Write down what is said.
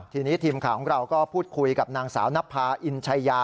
ทีนี้ทีมข่าวของเราก็พูดคุยกับนางสาวนภาอินชัยยา